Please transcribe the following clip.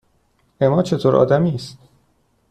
اِما چطور آدمی است؟